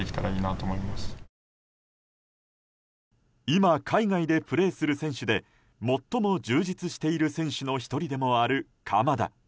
今、海外でプレーする選手で最も充実している選手の１人でもある鎌田。